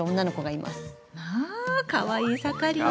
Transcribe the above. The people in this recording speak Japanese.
まあかわいい盛りね。